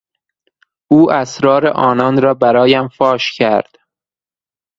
او اسرار آنان را برایم فاش کرد.